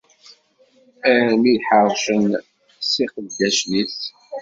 Armi d-ḥercen s yiqeddacen-is.